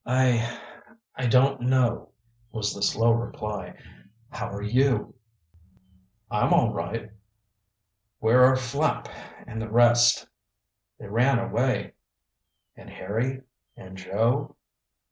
"I I don't know," was the slow reply. "How are you?" "I'm all right?" "Where are Flapp and the rest?" "They ran away." "And Harry and Joe?"